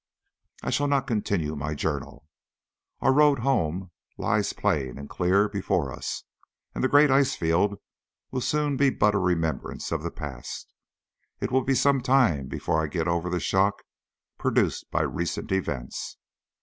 I shall not continue my journal. Our road to home lies plain and clear before us, and the great ice field will soon be but a remembrance of the past. It will be some time before I get over the shock produced by recent events.